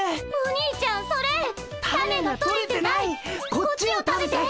こっちを食べて！